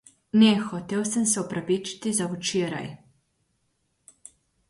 Ne, hotel sem se opravičiti za včeraj.